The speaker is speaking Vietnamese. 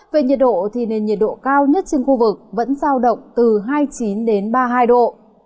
về nhiệt độ thì nền nhiệt độ cao nhất trên khu vực vẫn giao động từ hai mươi chín đến ba mươi hai độ